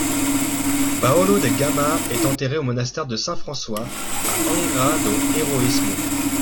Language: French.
Paulo da Gama est enterré au monastère de Saint-François à Angra do Heroísmo.